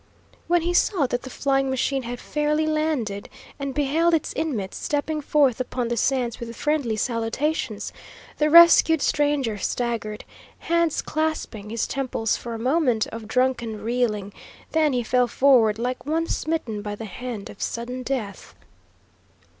When he saw that the flying machine had fairly landed, and beheld its inmates stepping forth upon the sands with friendly salutations, the rescued stranger staggered, hands clasping his temples for a moment of drunken reeling, then he fell forward like one smitten by the hand of sudden death.